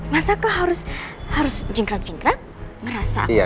masa aku harus harus jengkrak jengkrak